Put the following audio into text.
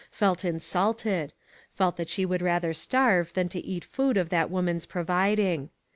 Felt insulted — felt that she would rather starve than to eat food of that woman's providing.